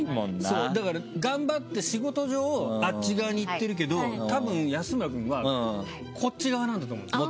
そうだから頑張って仕事上あっち側に行ってるけどたぶん安村くんはこっち側なんだと思うんですよ。